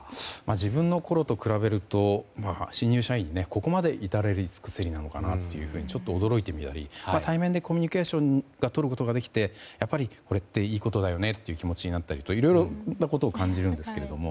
自分のころと比べると新入社員にここまで至れり尽くせりなのかとちょっと驚いてみたり対面でコミュニケーションをとることができてやっぱり、これっていいことだよねという気持ちになったりといろいろなことを感じるんですけれども。